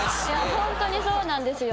本当にそうなんですよ